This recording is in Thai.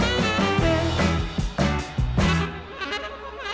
รับทราบ